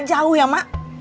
gak jauh ya emak